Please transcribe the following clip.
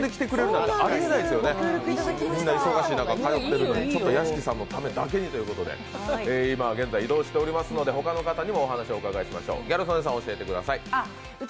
こんなお忙しい中、屋敷さんのためだけにということで今現在移動しておりますので、他の方にもお話を伺いましょう。